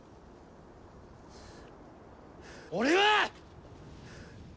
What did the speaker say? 俺は！